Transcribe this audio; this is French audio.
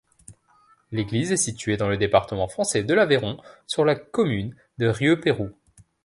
L'église est située dans le département français de l'Aveyron, sur la commune de Rieupeyroux.